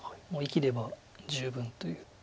もう生きれば十分という。